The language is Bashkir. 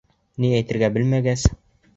Ни әйтергә белмәгәс: